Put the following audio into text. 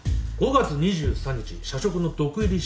「５月２３日社食の毒入り